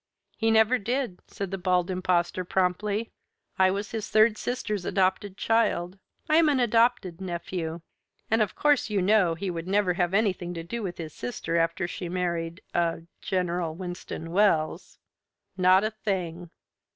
"He never did," said the Bald Impostor promptly. "I was his third sister's adopted child I am an adopted nephew. And of course you know he would never have anything to do with his sister after she married ah General Winston Wells. Not a thing!